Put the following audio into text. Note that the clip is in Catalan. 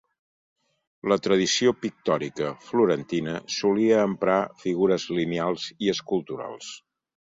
La tradició pictòrica florentina solia emprar figures lineals i esculturals.